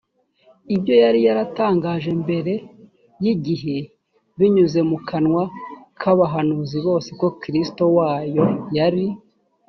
ibyo yari yaratangaje mbere y igihe binyuze mu kanwa k abahanuzi bose ko kristo wayo yari